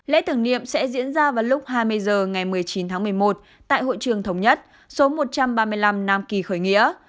lễ tưởng niệm sẽ diễn ra vào lúc hai mươi h ngày một mươi chín tháng một mươi một tại hội trường thống nhất số một trăm ba mươi năm nam kỳ khởi nghĩa